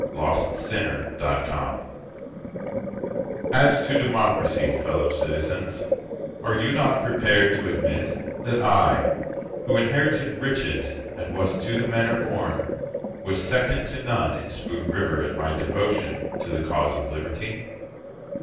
John Hancock Otis As to democracy, fellow citizens, Are you not prepared to admit That I, who inherited riches and was to the manor born, Was second to none in Spoon River In my devotion to the cause of Liberty?